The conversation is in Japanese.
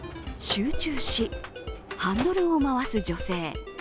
集中し、ハンドルを回す女性。